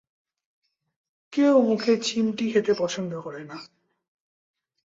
কেউ মুখে চিমটি খেতে পছন্দ করে না।